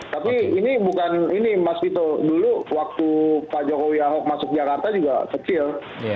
tapi ini bukan ini mas vito dulu waktu pak jokowi ahok masuk jakarta juga kecil